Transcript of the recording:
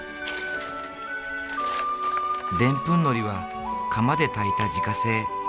でんぷんのりは釜で炊いた自家製。